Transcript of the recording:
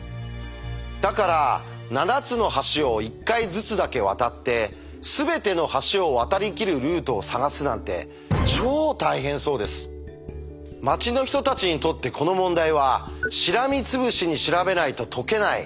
だから７つの橋を１回ずつだけ渡ってすべての橋を渡りきるルートを探すなんて町の人たちにとってこの問題はしらみつぶしに調べないと解けない